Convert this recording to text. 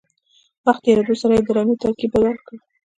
وخت تېرېدو سره یې د رمې ترکیب بدل کړ.